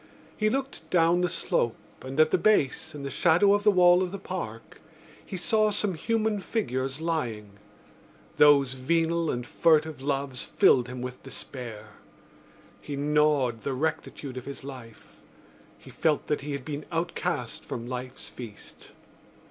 He looked down the slope and, at the base, in the shadow of the wall of the Park, he saw some human figures lying. Those venal and furtive loves filled him with despair. He gnawed the rectitude of his life; he felt that he had been outcast from life's feast.